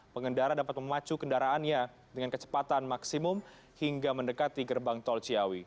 pengendara dapat memacu kendaraannya dengan kecepatan maksimum hingga mendekati gerbang tol ciawi